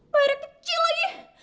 bayarnya kecil lagi